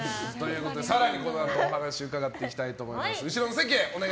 更にこのあとお話を伺っていきたいと思います。